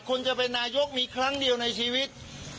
คุณจะเป็นนายกมีครั้งเดียวในชีวิต